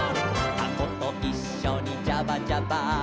「タコといっしょにジャバ・ジャバ」